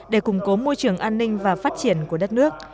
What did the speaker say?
để củng cố môi trường an ninh và phát triển của đất nước